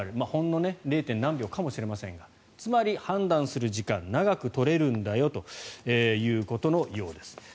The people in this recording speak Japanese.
ほんの０．何秒かもしれませんがつまり判断する時間が長く取れるんだよということのようです。